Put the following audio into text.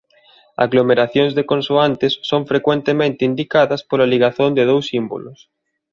Aglomeracións de consoantes son frecuentemente indicadas pola ligazón de dous símbolos.